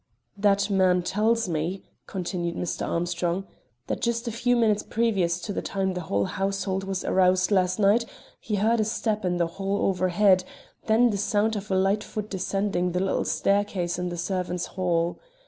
"That man tells me," continued Mr. Armstrong, "that just a few minutes previous to the time the whole household was aroused last night, he heard a step in the hall overhead, then the sound of a light foot descending the little staircase in the servants' hall.